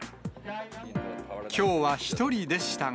きょうは１人でしたが。